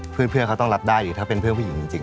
เพื่อนเขาต้องรับได้อยู่ถ้าเป็นเพื่อนผู้หญิงจริง